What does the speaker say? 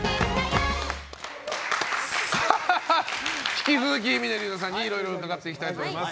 引き続き峰竜太さんにいろいろ伺っていきたいと思います。